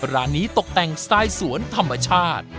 ร้านนี้ตกแต่งสไตล์สวนธรรมชาติ